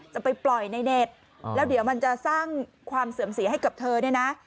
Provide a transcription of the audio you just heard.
จะไปปล่อยในเน็ตแล้วเดี๋ยวมันจะสร้างความเสื่อมเสียให้กับเธอเนี่ยนะ